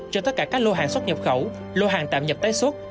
cho tất cả các lô hàng xuất nhập khẩu lô hàng tạm nhập tái xuất